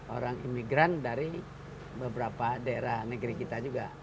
orang imigran dari beberapa daerah negeri kita juga